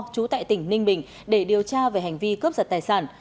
trú tại tỉnh ninh bình để điều tra về hành vi cướp giật tài sản